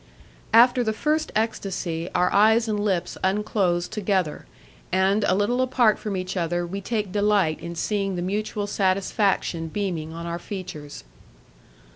After the first ecstacy, our eyes and lips unclosed together, and a little apart from each other we take delight in seeing the mutual satisfaction beaming on our features.